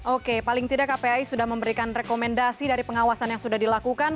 oke paling tidak kpai sudah memberikan rekomendasi dari pengawasan yang sudah dilakukan